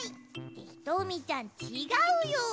ひとみちゃんちがうよ！